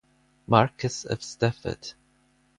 Marquess of Stafford.